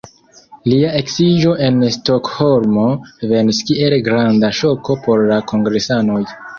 Lia eksiĝo en Stokholmo venis kiel granda ŝoko por la kongresanoj.